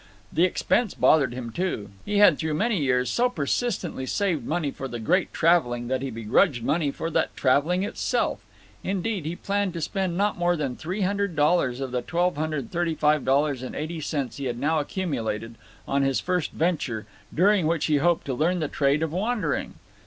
The expense bothered him, too. He had through many years so persistently saved money for the Great Traveling that he begrudged money for that Traveling itself. Indeed, he planned to spend not more than $300 of the $1,235.80 he had now accumulated, on his first venture, during which he hoped to learn the trade of wandering.